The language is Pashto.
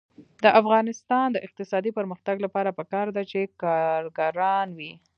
د افغانستان د اقتصادي پرمختګ لپاره پکار ده چې کارګران وي.